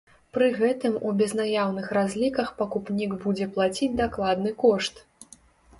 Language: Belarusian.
Пры гэтым у безнаяўных разліках пакупнік будзе плаціць дакладны кошт.